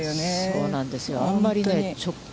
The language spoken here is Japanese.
そうなんですよ。